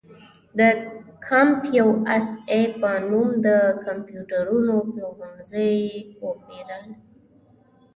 د کمپ یو اس اې په نوم د کمپیوټرونو پلورنځي یې وپېرل.